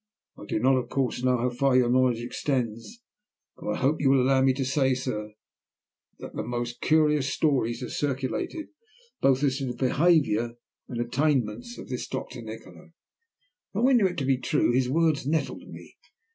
I do not of course know how far your knowledge extends, but I hope you will allow me to say, sir, that the most curious stories are circulated both as to the behaviour and the attainments of this Doctor Nikola." Though I knew it to be true, his words nettled me.